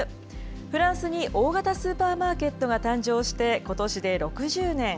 フランスに大型スーパーマーケットが誕生して、ことしで６０年。